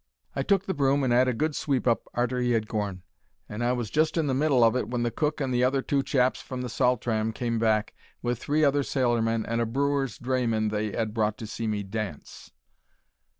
I took the broom and 'ad a good sweep up arter he 'ad gorn, and I was just in the middle of it when the cook and the other two chaps from the Saltram came back, with three other sailormen and a brewer's drayman they 'ad brought to see me DANCE!